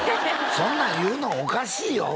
そんなん言うのおかしいよ？